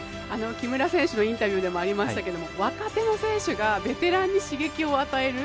木村選手のインタビューでもありましたけども若手の選手がベテランに刺激を与える。